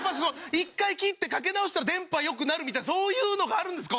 １回切ってかけ直したら電波良くなるみたいなそういうのがあるんですか？